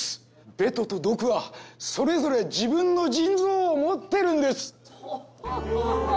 ベトとドクはそれぞれ自分の腎臓を持ってるんです！